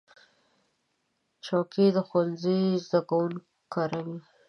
چوکۍ د ښوونځي زده کوونکي کاروي.